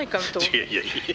いやいやいやいや。